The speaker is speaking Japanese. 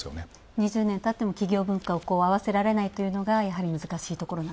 ２０年経っても企業文化をあわせられないというのが、やはり難しいところだと。